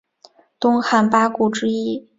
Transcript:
东汉八顾之一。